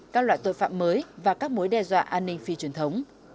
các loại tội phạm mới và các mối đe dọa an ninh phi truyền thống